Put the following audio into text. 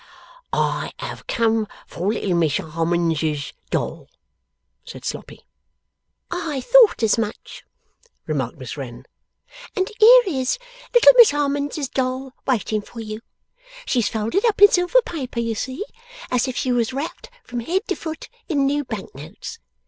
'I have come for little Miss Harmonses doll,' said Sloppy. 'I thought as much,' remarked Miss Wren, 'and here is little Miss Harmonses doll waiting for you. She's folded up in silver paper, you see, as if she was wrapped from head to foot in new Bank notes.